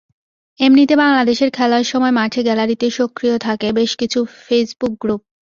এমনিতে বাংলাদেশের খেলার সময় মাঠে গ্যালারিতে সক্রিয় থাকে বেশ কিছু ফেসবুক গ্রুপ।